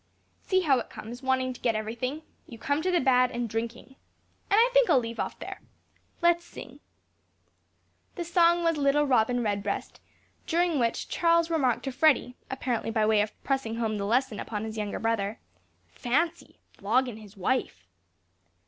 "See how it comes: wanting to get every thing, you come to the bad and drinking. And I think I'll leave off here. Let us sing." The song was "Little Robin Redbreast;" during which Charles remarked to Freddy, apparently by way of pressing home the lesson upon his younger brother, "Fancy! floggin' his wife!"